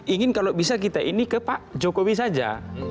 ingin kalau bisa kita ini ke pak jokowi saja